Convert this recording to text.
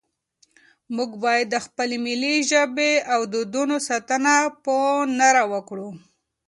موږ باید د خپلې ملي ژبې او دودونو ساتنه په نره وکړو.